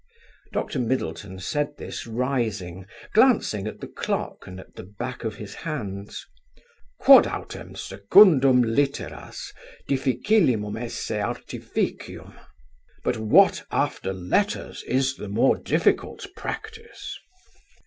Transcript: Dr. Middleton said this rising, glancing at the clock and at the back of his hands. "'Quod autem secundum litteras difficillimum esse artificium?' But what after letters is the more difficult practice?